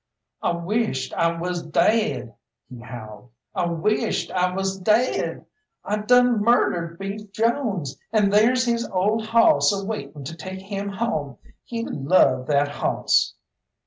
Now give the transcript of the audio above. "I wisht I was daid," he howled, "I wisht I was daid. I done murdered Beef Jones, and there's his ole hawss a waiting to take him home. He loved that hawss."